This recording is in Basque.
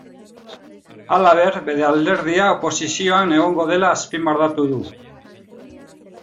Halaber, bere alderdia oposizioan egongo dela azpimarratu du.